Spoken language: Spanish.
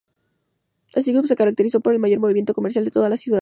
Así como se caracteriza por el mayor movimiento comercial de toda la ciudad.